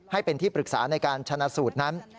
ให้เป็นที่ปรึกษาในการชนะสูตรนั้น